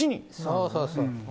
そうそうそう。